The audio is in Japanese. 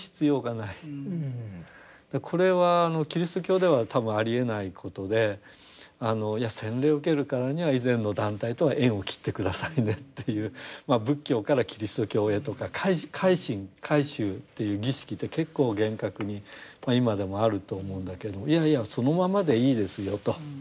これはキリスト教では多分ありえないことで洗礼を受けるからには以前の団体とは縁を切って下さいねっていう仏教からキリスト教へとか改心改宗っていう儀式って結構厳格にまあ今でもあると思うんだけれどもいやいやそのままでいいですよと。